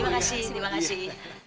terima kasih terima kasih